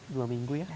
dua minggu ya